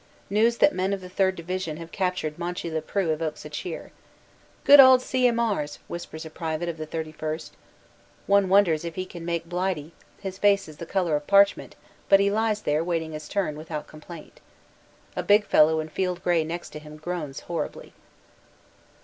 News that men of the 3rd. Division have captured Monchy le Preux evokes a cheer. "Good old C. M. Rs.," whispers a private of the 31st. One wonders if he can make blighry his face is the color of parchment but he lies there, waiting his turn, without complaint. A big fellow in field gray next him groans horribly.